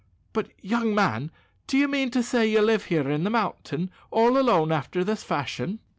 But, young man, do you mean to say that you live here in the mountain all alone after this fashion?"